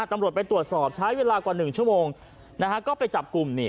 ตำรวจไปตรวจสอบใช้เวลากว่าหนึ่งชั่วโมงนะฮะก็ไปจับกลุ่มนี่